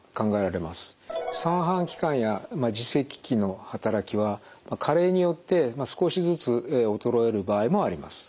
三半規管や耳石器の働きは加齢によって少しずつ衰える場合もあります。